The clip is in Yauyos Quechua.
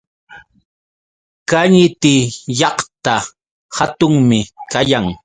Kañiti llaqta hatunmi kayan.